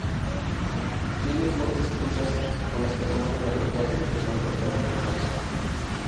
Tiene fuertes pinzas con las que remueve las rocas del sustrato para ocultarse.